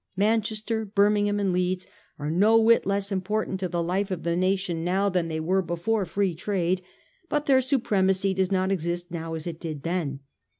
Manchester, Birmingham and Leeds are no whit less important to the life of the nation now than they were before Free Trade. But their supre macy does not exist now as it did then.